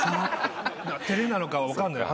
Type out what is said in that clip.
照れなのか分かんない。